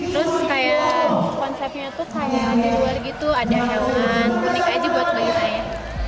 terus kayak konsepnya tuh kayak di luar gitu ada hewan unik aja buat bagi saya